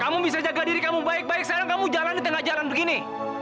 kamu bisa jaga diri kamu baik baik sekarang kamu jalan di tengah jalan begini